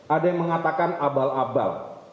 ada yang mengatakan abal abal